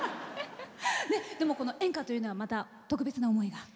演歌というのはまた特別な思いが？